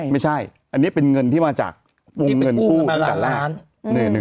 ไม่ใช่เป็นเงินที่มาจากกุ่มเงินผู้